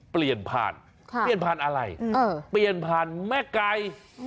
เปลี่ยนผ่านเปลี่ยนผ่านอะไรเปลี่ยนผ่านแม่ไก่